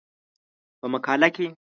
په مقاله کې